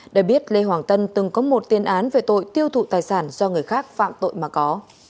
để biết lê hoàng tân từng có một tiên án về tội tiêu thụ tài sản do người khác phạm tội mà có